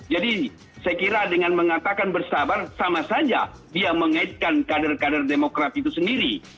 jadi saya kira dengan mengatakan bersabar sama saja dia mengaitkan kader kader demokrat itu sendiri